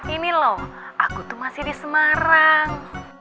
ini loh aku tuh masih di semarang